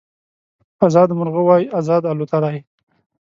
ازاد مرغه وای ازاد الوتای